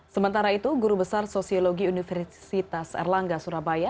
sementara itu guru besar sosiologi universitas erlangga surabaya